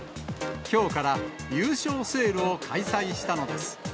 きょうから優勝セールを開催したのです。